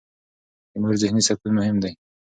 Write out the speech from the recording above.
د مور ذهني سکون مهم دی.